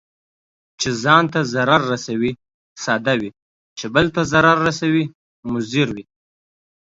چي ځان ته ضرر رسوي، ساده وي، چې بل ته ضرر رسوي مضر وي.